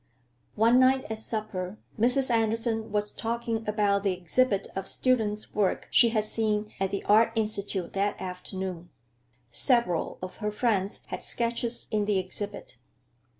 One night at supper Mrs. Andersen was talking about the exhibit of students' work she had seen at the Art Institute that afternoon. Several of her friends had sketches in the exhibit.